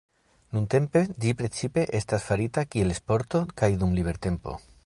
Nuntempe ĝi precipe estas farita kiel sporto kaj dum libertempo.